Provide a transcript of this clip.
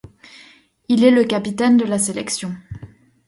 Il est le capitaine de la sélection.